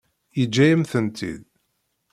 Yeǧǧa-yam-tent-id.